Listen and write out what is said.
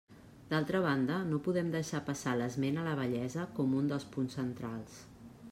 D'altra banda, no podem deixar passar l'esment a la bellesa com un dels punts centrals.